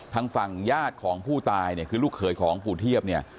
ทางฝั่งญาติของผู้ตายคือลูกเคยของผู้เทียบ